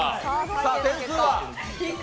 さあ、点数は低！